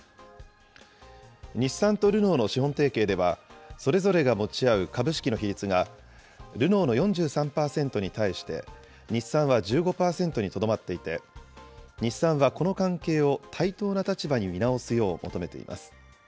日産とルノーの資本提携では、それぞれが持ち合う株式の比率が、ルノーの４３％に対して、日産は１５％にとどまっていて、日産はこの関係を対等な立場に見直すよう求めています。